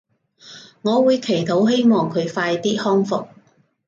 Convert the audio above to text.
我會祈禱希望佢快啲康復